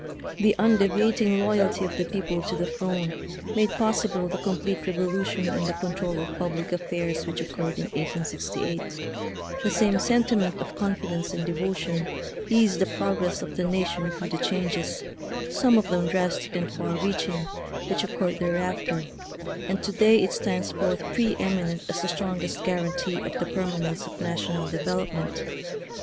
The undevi ating loyalty of the people to the throne made possible the complete revolution in the control of public affairs which oc curred in 1868 ; the same sentiment of con fidence and devotion eased the progress of the nation through the changes, some of them drastic and far reaching, which oc curred thereafter, and to day it stands forth pre eminent as the strongest guar antee of the permanence of national de velopment.